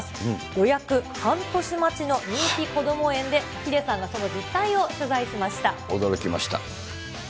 予約半年待ちの人気こども園で、ヒデさんがその実態を取材しまし驚きました。